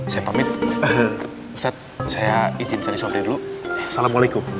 saya pamit ustadz saya ijin cari sobri dulu assalamualaikum